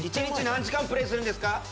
１日何時間プレイするんですか？